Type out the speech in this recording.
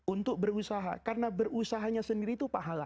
untuk berusaha karena berusahanya sendiri itu pahala